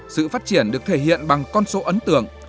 sự phát triển được thể hiện bằng con số ấn tượng